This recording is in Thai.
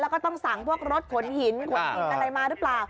แล้วก็ต้องสั่งพวกรถขนหินขนดินอะไรมาหรือเปล่า